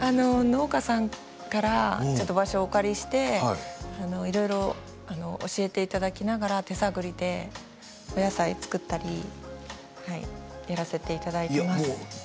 農家さんから場所をお借りしていろいろ教えていただきながら手探りでお野菜を作ったりやらせていただいています。